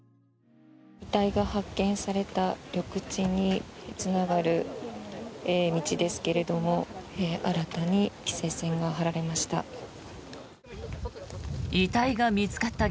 遺体が発見された緑地につながる道ですけど新たに規制線が張られました。